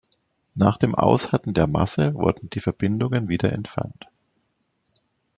Nach dem Aushärten der Masse wurden die Verbindungen wieder entfernt.